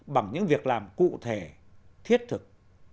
bằng những việc làm cụ thể thiết thực